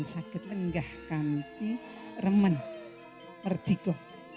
sakit lenggah kanti remen perdigo